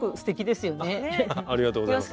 ありがとうございます。